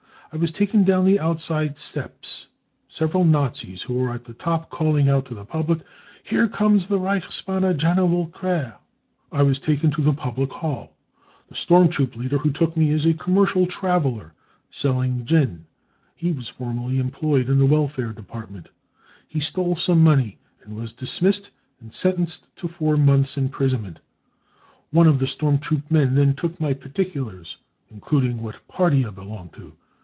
I was taken down the out side steps, several Nazis who were at the top calling out to the public : 4 Here comes the Reichsbanner general Quer ! 5 I was taken to the public hall. The storm troop leader who took me is a commercial traveller, selling gin. He was formerly employed in the Welfare Department ; he stole some money and was dismissed and sentenced to four months 5 imprisonment. One of the stoiSn troop men then^tode my particulars, including what Party I belonged to.